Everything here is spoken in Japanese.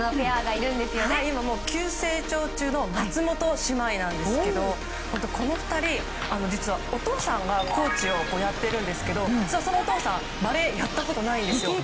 今、急成長中の松本姉妹なんですけどこの２人、実はお父さんがコーチをやっているんですがそのお父さん、バレーやったことがないんですよ。